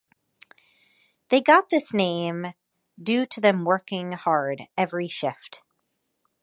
They got this name due to them working hard every shift.